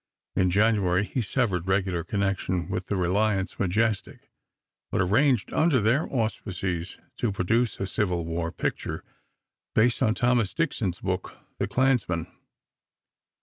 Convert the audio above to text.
In January he severed regular connection with the Reliance Majestic, but arranged, under their auspices, to produce a Civil War picture, based on Thomas Dixon's book, "The Clansman."